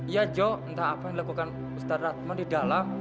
ya joh entah apa yang dilakukan ustadz radman di dalam